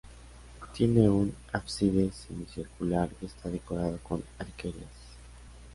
Tiene un ábside semicircular que está decorado con arquerías.